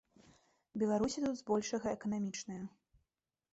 Беларусі тут збольшага эканамічная.